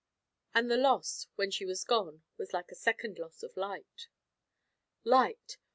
And the loss, when she was gone, was like a second loss of light. Light!